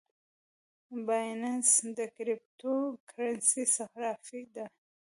بایننس د کریپټو کرنسۍ صرافي ده